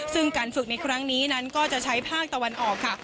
ซึ่งการฝึกในครั้งนี้ก็จะใช้เพื่อนธวรรษตะวันออก